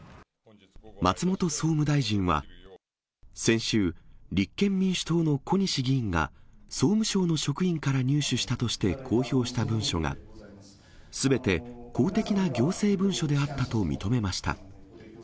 松本総務大臣は、先週、立憲民主党の小西議員が、総務省の職員から入手したとして公表した文書が、すべて公的な行政文書であったと認めました。